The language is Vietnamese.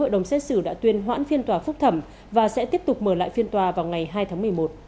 công an huyện đức hòa xúc phạm và sẽ tiếp tục mở lại phiên tòa vào ngày hai tháng một mươi một